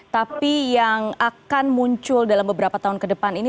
tapi yang akan muncul dalam beberapa tahun ke depan ini